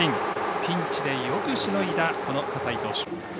ピンチでよくしのいだ葛西投手。